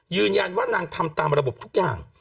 ยืนยันว่านางทำตามระบบทุกอย่าง